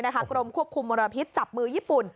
กรมควบคุมมลพิษจับมือญี่ปุ่น